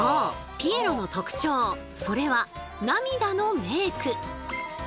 ピエロの特徴それは涙のメーク！